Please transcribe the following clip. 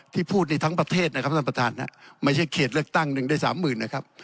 ที่พูดที่ทั้งประเทศนะครับไม่ใช่เขตเลิกตั้งหนึ่งได้๓๐๐๐๐นะครับ